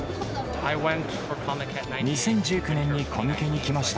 ２０１９年にコミケに来ました。